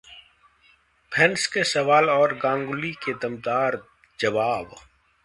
fans के सवाल और गांगुली के दमदार जवाब